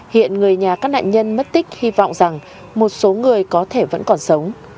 hiện người nhà các nạn nhân mất tích hy vọng rằng một số người có thể vẫn còn sống